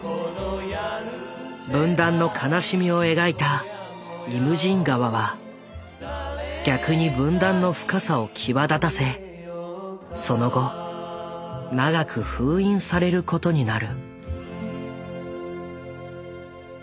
分断の悲しみを描いた「イムジン河」は逆に分断の深さを際立たせその後長く封印されることになる。